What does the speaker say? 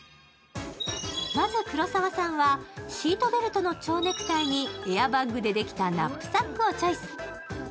まず黒澤さんはシートベルトの蝶ネクタイにエアバッグでできたナップサックをチョイス。